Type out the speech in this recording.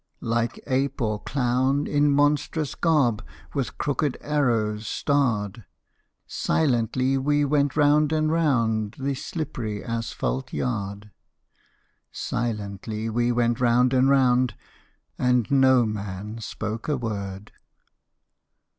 Like ape or clown, in monstrous garb With crooked arrows starred, Silently we went round and round The slippery asphalte yard; Silently we went round and round, And no man spoke a word.